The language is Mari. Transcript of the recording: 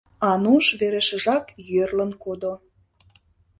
Ануш верешыжак йӧрлын кодо...